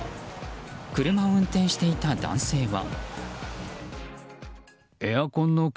車を運転していた男性は。